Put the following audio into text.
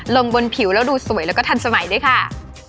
ลงบนผิวแล้วดูสวยแล้วก็ทันสมัยด้วยค่ะ